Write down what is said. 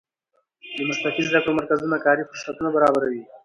د مسلکي زده کړو مرکزونه کاري فرصتونه برابروي.